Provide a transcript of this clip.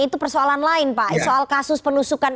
itu persoalan lain pak soal kasus penusukan